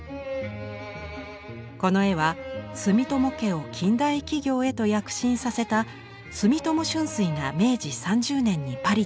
この絵は住友家を近代企業へと躍進させた住友春翠が明治３０年にパリで購入。